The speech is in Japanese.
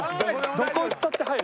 どこ打ったって入る。